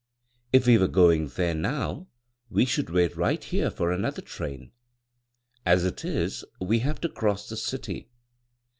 If we were going there now we should wait right here for another train. As it is, we have to cross the dty.